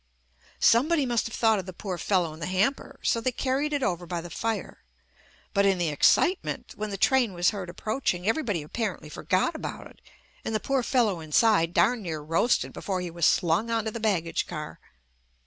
Somebody must have thought of the poor fel low in the hamper, so they carried it over by the fire, but in the excitement when the train was heard approaching, everybody apparently forgot about it, and the "poor fellow" inside darn near roasted before he was slung onto the baggage car.